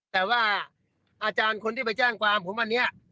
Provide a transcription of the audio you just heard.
แต่ว่าอาจารย์คนที่ไปแจ้งความผมอันนี้